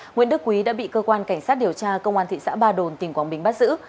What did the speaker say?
nguyễn đức quý đã bị cơ quan cảnh sát điều tra công an thị xã ba đồn tỉnh quảng bình bắt giữ